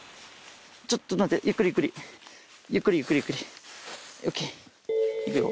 ちょっと待てゆっくりゆっくりゆっくりゆっくりゆっくりオッケーいくよ